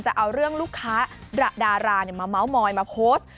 จะเอาเรื่องลูกค้าดารามาเม้ามอยมาโพสต์